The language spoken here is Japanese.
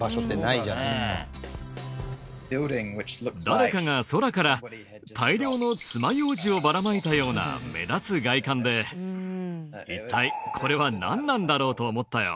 誰かが空から大量のつまようじをばらまいたような目立つ外観で一体これはなんなんだろう？と思ったよ。